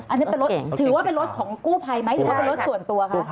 อันนี้เป็นรถถือว่าเป็นรถของกู้ภัยไหมหรือว่าเป็นรถส่วนตัวคะ